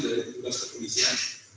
dari petugas kepolisian